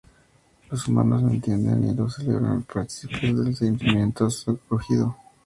Los humanos lo entienden y lo celebran, partícipes del sentimiento de su acogido.